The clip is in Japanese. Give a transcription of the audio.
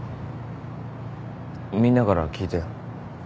みんなから聞いたよ。